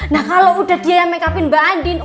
nah kalau udah dia yang makeupin mbak andin